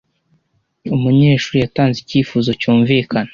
Umunyeshuri yatanze icyifuzo cyumvikana.